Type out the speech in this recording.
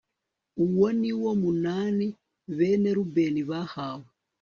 uwo ni wo munani bene rubeni bahawe